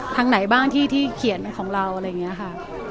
ทางไหนบ้างที่ที่เขียนของเราอะไรอย่างเงี้ยค่ะ